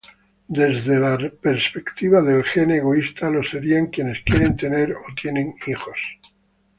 Desde la perspectiva del gen egoísta lo serían quienes quieren tener o tienen hijos.